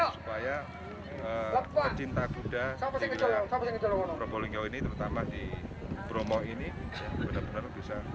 supaya pecinta kuda di wilayah probolinggo ini terutama di bromo ini benar benar bisa